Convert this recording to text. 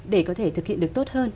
để có thể thực hiện được tốt hơn